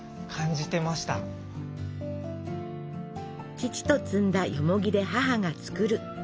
父と摘んだよもぎで母が作る。